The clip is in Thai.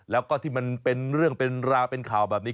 แล้วก็ที่มันเป็นเรื่องเป็นราวเป็นข่าวแบบนี้